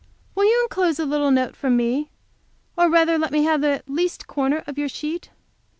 Will you enclose a little note from me? Or rather let me have the least corner of your sheet?"